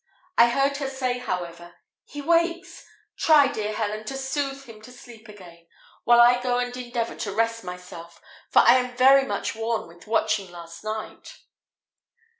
I heard her say, however, "He wakes! try, dear Helen, to soothe him to sleep again, while I go and endeavour to rest myself, for I am very much worn with watching last night."